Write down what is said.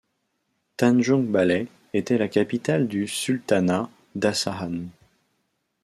Tanjungbalai était la capitale du sultanat d'Asahan.